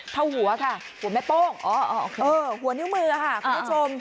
เท่าหัวค่ะหัวแม่โป้งหัวนิ้วมือค่ะคุณผู้ชม